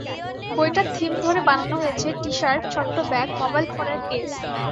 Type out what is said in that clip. বইটার থিম ধরে বানানো হয়েছে টি-শার্ট, ছোট্ট ব্যাগ, মোবাইল ফোনের কেস।